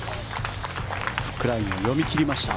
フックラインを読み切りました。